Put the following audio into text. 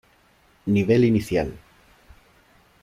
Nivel Inicial.